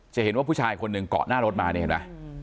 จะเห็นว่าผู้ชายคนหนึ่งเกาะหน้ารถมานี่เห็นไหม